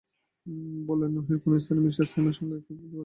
বললেন, ওহিওর কোন স্থানে মি স্যামের সঙ্গে এক বাড়ীতে আছেন।